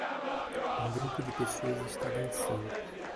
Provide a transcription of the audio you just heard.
Um grupo de pessoas está dançando.